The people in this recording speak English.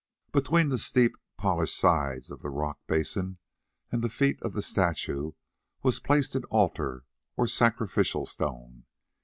Between the steep polished sides of the rock basin and the feet of the statue was placed an altar, or sacrificial stone.